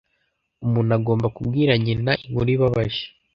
Umuntu agomba kubwira nyina inkuru ibabaje.